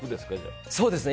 そうですね。